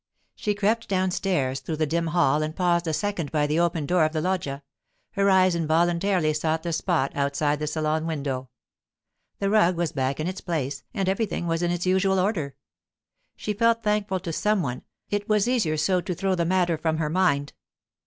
She crept downstairs through the dim hall and paused a second by the open door of the loggia; her eyes involuntarily sought the spot outside the salon window. The rug was back in its place again, and everything was in its usual order. She felt thankful to some one; it was easier so to throw the matter from her mind.